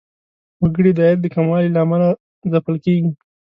وګړي د عاید د کموالي له امله ځپل کیږي.